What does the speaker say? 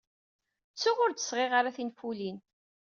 Ttuɣ ur d-sɣiɣ ara tinfulin.